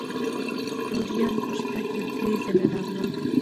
توریان په شپه کې درې ځله راغلل.